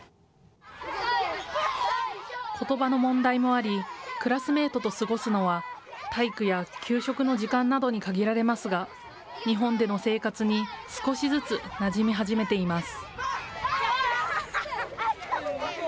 ことばの問題もあり、クラスメートと過ごすのは、体育や給食の時間などに限られますが、日本での生活に少しずつなじみ始めています。